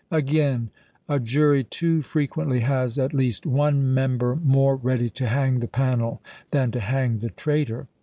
Again, a jury too frequently has at least one member moro ready to hang the panel than to hang the traitor.